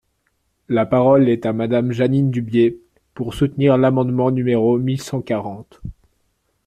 La parole est à Madame Jeanine Dubié, pour soutenir l’amendement numéro mille cent quarante.